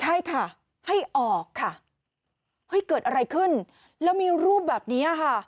ใช่ค่ะให้ออกค่ะเฮ้ยเกิดอะไรขึ้นแล้วมีรูปแบบเนี้ยค่ะ